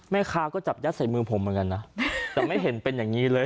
แม่ค้าก็จับยัดใส่มือผมเหมือนกันนะแต่ไม่เห็นเป็นอย่างนี้เลย